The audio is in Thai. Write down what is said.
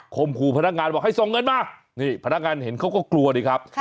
มขู่พนักงานบอกให้ส่งเงินมานี่พนักงานเห็นเขาก็กลัวดิครับ